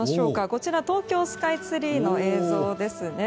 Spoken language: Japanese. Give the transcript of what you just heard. こちらは東京スカイツリーの映像ですね。